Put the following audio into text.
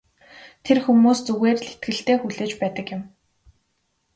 Тэр хүмүүс зүгээр л итгэлтэй хүлээж байдаг юм.